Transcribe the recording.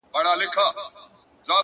هغې ويل په پوري هـديــره كي ښخ دى ـ